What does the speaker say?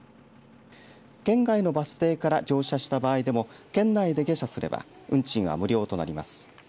県外のバス停から乗車した場合でも県内で下車すれば運賃は無料となります。